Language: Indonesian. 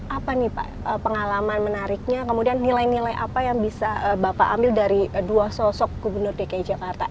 apa nih pak pengalaman menariknya kemudian nilai nilai apa yang bisa bapak ambil dari dua sosok gubernur dki jakarta